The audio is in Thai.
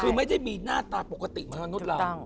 คือไม่ได้มีหน้าตาปกติเหมือนมนุษย์เรา